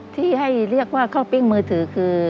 ที่ให้เรียกว่าข้าวปิ้งมือถือคือ